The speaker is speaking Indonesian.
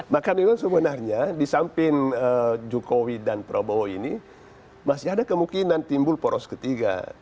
maka dengan sebenarnya di samping jokowi dan prabowo ini masih ada kemungkinan timbul poros ketiga